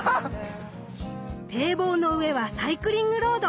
堤防の上はサイクリングロード。